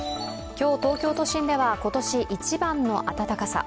今日、東京都心では今年一番の暖かさ。